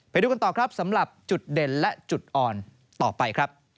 ไปดูกันต่อครับสำหรับจุดเด่นและจุดอ่อนต่อไปครับ